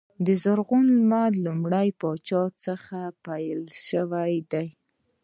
د زرغون لمر لومړي پاچا څخه پیل شوی دی.